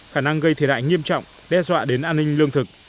khả năng gây thời đại nghiêm trọng đe dọa đến an ninh lương thực